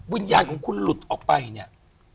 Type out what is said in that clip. วิญญาณของคุณหลุดออกไปเนี่ย